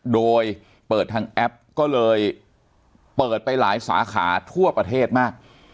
โดยเปิดทางแอปก็เลยเปิดไปหลายสาขาทั่วประเทศมาก